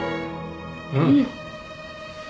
うん。